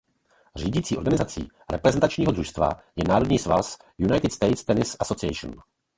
Řídící organizací reprezentačního družstva je národní svaz United States Tennis Association.